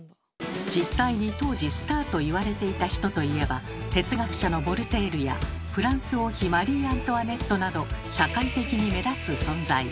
実際に当時スターといわれていた人といえば哲学者のヴォルテールやフランス王妃マリー・アントワネットなど社会的に目立つ存在。